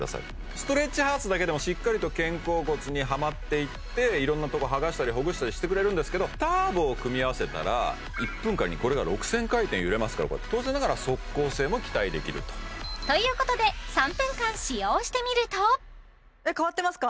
ストレッチハーツだけでもしっかりと肩甲骨にはまっていっていろんなとこはがしたりほぐしたりしてくれるんですけどターボを組み合わせたら１分間にこれが６０００回転揺れますから当然ながら即効性も期待できるとということで３分間使用してみるとえっ変わってますか？